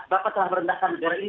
bapak telah merendahkan negara ini